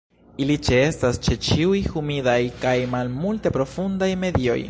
Ili ĉeestas ĉe ĉiuj humidaj kaj malmulte profundaj medioj.